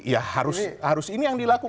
ya harus ini yang dilakukan